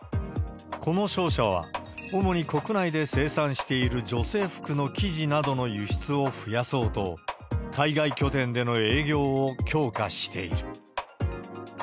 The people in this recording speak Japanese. この商社は、主に国内で生産している女性服の生地などの輸出を増やそうと、海外拠点での営業を強化している。